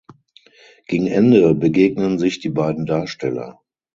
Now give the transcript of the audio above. Gegen Ende begegnen sich die beiden Darsteller.